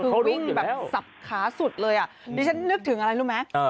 คือวิ่งแบบสับขาสุดเลยอ่ะดิฉันนึกถึงอะไรรู้ไหม